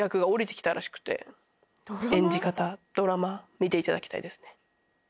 見ていただきたいですね。